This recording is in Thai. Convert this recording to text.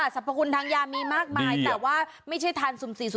สรรพคุณทางยามีมากมายแต่ว่าไม่ใช่ทานสุ่ม๔สุ่ม